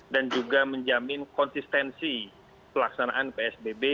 dan juga menjamin konsistensi pelaksanaan psbb